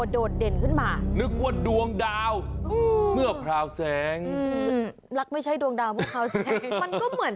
ก็เลยลองถามดูถามหน้าถามคนในบ้าน